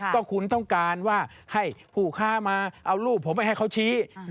ก็คุณต้องการว่าให้ผู้ค้ามาเอารูปผมไปให้เขาชี้